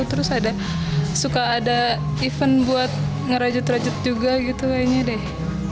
terus ada suka ada event buat ngerajut rajut juga gitu kayaknya deh